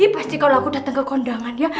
pasti kalau aku datang ke kondangan ya